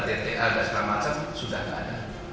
tta dan seramacem sudah tidak ada